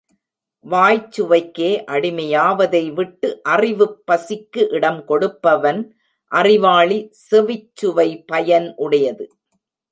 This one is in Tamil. வாய்ச் சுவைக்கே அடிமையாவதை விட்டு அறிவுப்பசிக்கு இடம் கொடுப்பவன் அறிவாளி செவிச்சுவை பயன் உடையது.